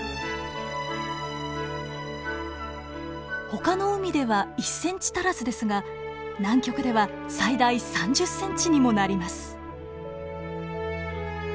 ほかの海では１ｃｍ足らずですが南極では最大３０ｃｍにもなります。